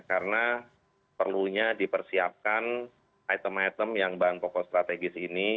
karena perlunya dipersiapkan item item yang bahan pokok strategis ini